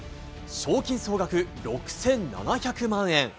賞金総額６７００万円！